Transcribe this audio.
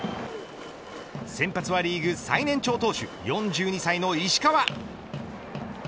先発はリーグ最年長投手４２歳の石川。